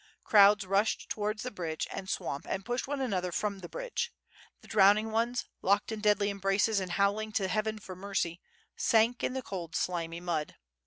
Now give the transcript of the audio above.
Crowds rushed towards the bridge and swamp and pushed one another from the bridge. The drowning ones, locked in deadly embraces and howling to heaven for mercy, sank in the cold, slimy mud.